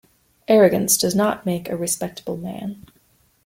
Arrogance does not make a respectable man.